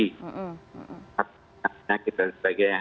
penyakit dan sebagainya